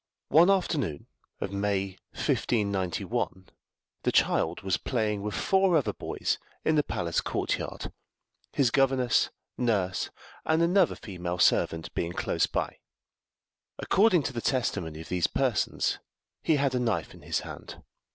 One afternoon of May 1591, the child was playing with four other boys in the palace courtyard, his governess, nurse, and another female servant being close by. According to the testimony of these persons he had a knife in his hand.